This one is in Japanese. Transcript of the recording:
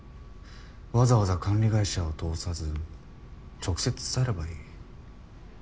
わざわざ管理会社を通さず直接伝えればいい。